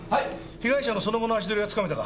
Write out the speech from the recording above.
被害者のその後の足取りはつかめたか？